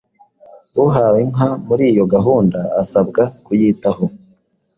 Uhawe inka muri iyo gahunda asabwa kuyitaho